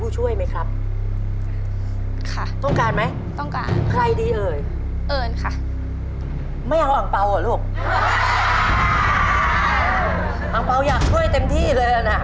ช่วยป่วน